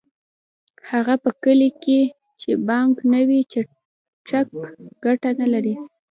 په هغه کلي کې چې بانک نه وي چک ګټه نلري